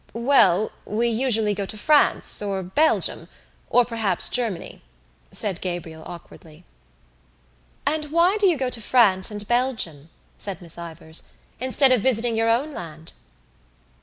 "Well, we usually go to France or Belgium or perhaps Germany," said Gabriel awkwardly. "And why do you go to France and Belgium," said Miss Ivors, "instead of visiting your own land?"